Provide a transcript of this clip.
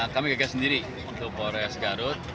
kami gagal sendiri ke pores garut